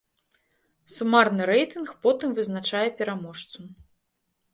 Сумарны рэйтынг потым вызначае пераможцу.